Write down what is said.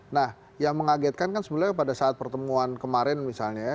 nah yang mengagetkan kan sebenarnya pada saat pertemuan kemarin misalnya ya